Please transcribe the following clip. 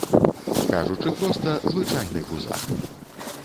Кажучы проста, звычайны гузак.